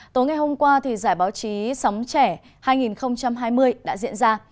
tối ngày hôm qua giải báo chí sống trẻ hai nghìn hai mươi đã diễn ra